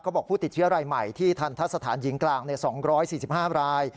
บอกผู้ติดเชื้อรายใหม่ที่ทันทะสถานหญิงกลาง๒๔๕ราย